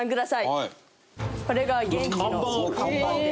はい。